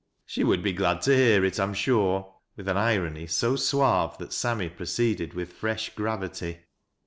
" She would be glad to hear it, I am sure," with ai irony so suave that Sammy proceeded with fresh gravity.